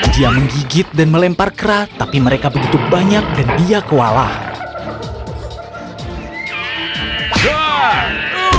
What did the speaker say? dia menggigit dan melempar kera tapi mereka begitu banyak dan dia kewalahan